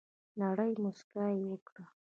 نرۍ مسکا یي وکړه